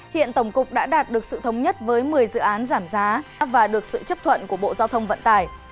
hiện tổng cục đã đạt được sự thống nhất với một mươi dự án giảm giá và được sự chấp thuận của bộ giao thông vận tải